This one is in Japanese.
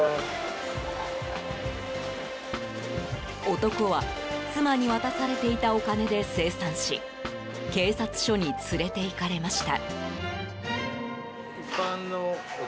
男は妻に渡されていたお金で精算し警察署に連れていかれました。